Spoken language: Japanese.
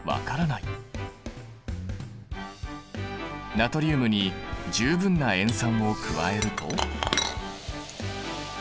ナトリウムに十分な塩酸を加えると。